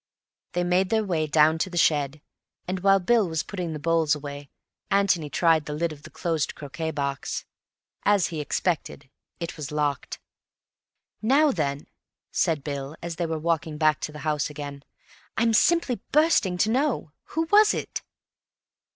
They made their way down to the shed, and while Bill was putting the bowls away, Antony tried the lid of the closed croquet box. As he expected, it was locked. "Now then," said Bill, as they were walking back to the house again, "I'm simply bursting to know. Who was it?"